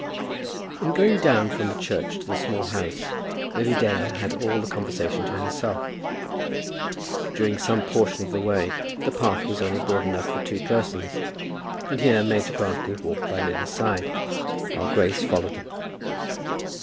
In going down from the church to the Small House Lily Dale had all the conversation to herself. During some portion of the way the path was only broad enough for two persons, and here Major Grantly walked by Lily's side, while Grace followed them.